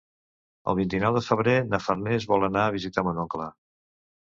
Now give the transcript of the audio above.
El vint-i-nou de febrer na Farners vol anar a visitar mon oncle.